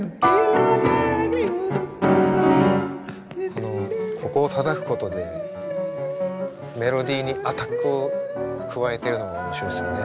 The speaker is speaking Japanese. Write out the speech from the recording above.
このここをたたくことでメロディーにアタックを加えてるのが面白いですよね。